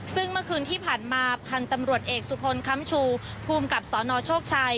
ซึ่งเมื่อคืนที่ผ่านมาพันธุ์ตำรวจเอกสุพลค้ำชูภูมิกับสนโชคชัย